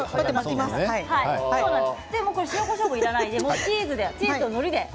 塩、こしょうもいらないので、チーズとのりで。